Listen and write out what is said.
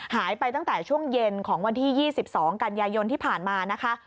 หายไปตั้งแต่ช่วงเย็นของวันที่๒๒กันยายนที่ผ่านมานะคะ